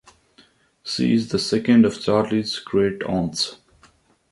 She is the second of Charlie's great-aunts.